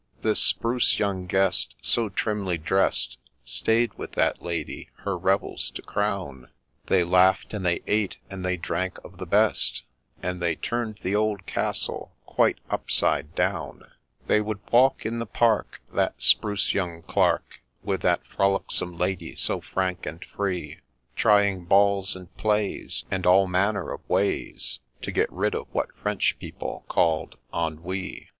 This spruce young guest, so trimly drest, Stay'd with that Lady, her revels to crown ; They laugh'd, and they ate and they drank of the best, And they turn'd the old castle quite upside down. They would walk in the park, that spruce young Clerk, With that frolicsome Lady so frank and free, Trying balls and plays, and all manner of ways, To get rid of what French people called Ennui.